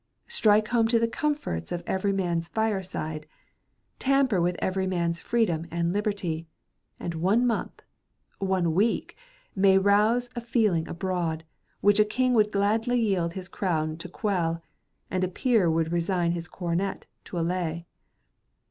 Strike home to the comforts of every man's fireside—tamper with every man's freedom and liberty—and one month, one week, may rouse a feeling abroad, which a king would gladly yield his crown to quell, and a peer would resign his coronet to allay.